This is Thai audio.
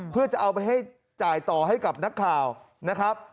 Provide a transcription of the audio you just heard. เพื่อจะเอาไปให้จ่ายต่อให้กับนักข่าวนะครับ